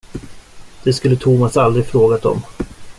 Det skulle Thomas aldrig frågat om.